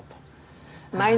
bahwa kami ada di sini